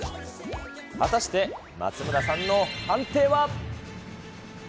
果たして松村さんの判定は。